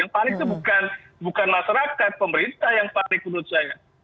yang panik itu bukan masyarakat pemerintah yang panik menurut saya